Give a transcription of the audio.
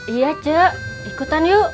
iya ce ikutan yuk